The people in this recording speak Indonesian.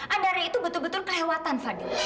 andara itu betul betul kelewatan fadil